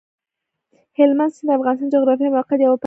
هلمند سیند د افغانستان د جغرافیایي موقیعت یوه پایله ده.